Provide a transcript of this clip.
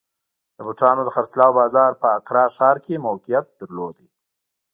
د بوټانو د خرڅلاو بازار په اکرا ښار کې موقعیت درلود.